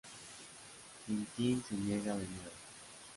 Tintín se niega de nuevo.